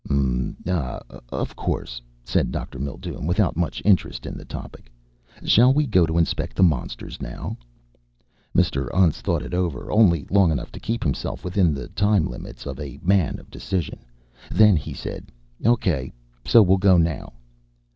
"Mm ah of course," said Dr. Mildume without much interest in the topic. "Shall we go to inspect the monsters now?" Mr. Untz thought it over, only long enough to keep himself within the time limits of a Man of Decision. Then he said, "Okay, so we'll go now."